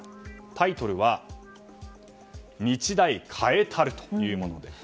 タイトルは「日大変えたる」というものです。